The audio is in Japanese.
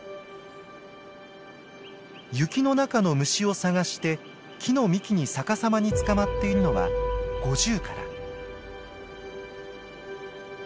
雪の中の虫を探して木の幹に逆さまにつかまっているのはゴジュウカラ。